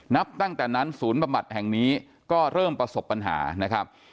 นับตั้งแต่นั้นศูนย์บำบัดแห่งนี้ก็เริ่มประสบปัญหานะครับ